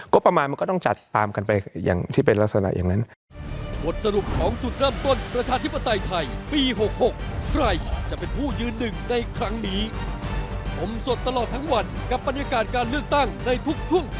ก็ประมาณมันก็ต้องจัดตามกันไปอย่างที่เป็นลักษณะอย่างนั้น